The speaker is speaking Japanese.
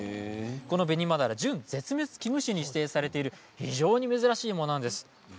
このベニマダラは準絶滅危惧種に指定されている非常に珍しいものです。